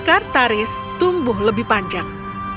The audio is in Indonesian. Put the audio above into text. skartaris tumbuh lebih panjang